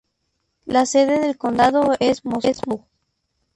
La sede del condado es Moscow.